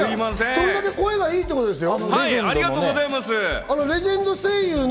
それだけ声がいいってことですよ。